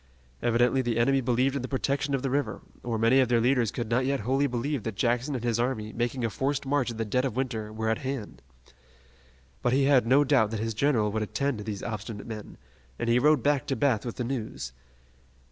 Evidently the enemy believed in the protection of the river, or many of their leaders could not yet wholly believe that Jackson and his army, making a forced march in the dead of winter, were at hand. But he had no doubt that his general would attend to these obstinate men, and he rode back to Bath with the news.